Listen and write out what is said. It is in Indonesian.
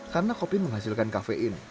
karena kopi menghasilkan kafein